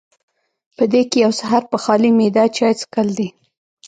پۀ دې کښې يو سحر پۀ خالي معده چائے څښل دي